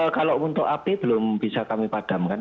kalau untuk api belum bisa kami padamkan